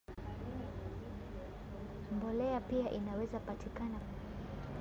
mbolea pia inaweza patikana kwenye majani ya viazi